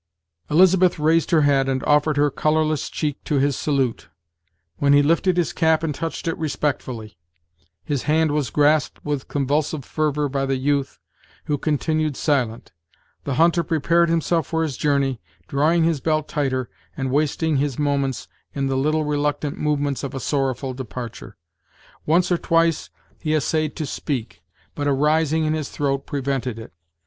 Elizabeth raised her head, and offered her colorless cheek to his salute, when he lifted his cap and touched it respectfully. His hand was grasped with convulsive fervor by the youth, who continued silent. The hunter prepared himself for his journey, drawing his belt tighter, and wasting his moments in the little reluctant movements of a sorrowful departure. Once or twice he essayed to speak, but a rising in his throat prevented it.